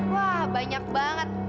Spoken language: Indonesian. wah banyak banget